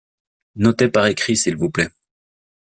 Notez par écrit, s’il vous plait.